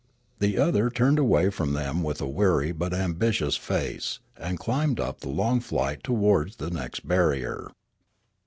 The other turned away from them with a weary but ambitious face and climbed up the long flight towards the next barrier.